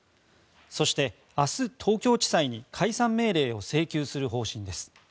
そして、明日、東京地裁に解散命令を請求する方針です。